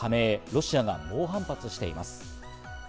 ロシアが猛反発しています。